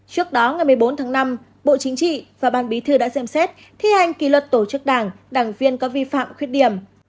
trước đó ngày một mươi bốn tháng năm bộ chính trị và ban bí thư đã xem xét thi hành kỷ luật tổ chức đảng đảng viên có vi phạm khuyết điểm